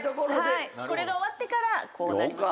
これが終わってからこうなりました。